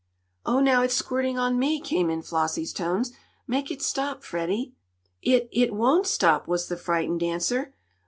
"Oh, now it's squirting on me!" came in Flossie's tones. "Make it stop, Freddie." "It it won't stop!" was the frightened answer.